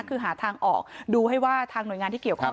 คือหาทางออกดูให้ว่าทางหน่วยงานที่เกี่ยวข้อง